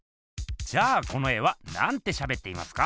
じゃあこの絵はなんてしゃべっていますか？